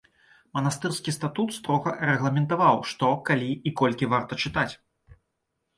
Манастырскі статут строга рэгламентаваў, што, калі і колькі варта чытаць.